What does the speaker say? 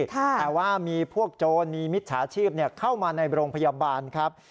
แต่ว่ามีพวกโจรมีมิจฉาชีพเข้ามาในโรงพยาบาลครับ